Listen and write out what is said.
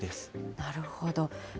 なるほど。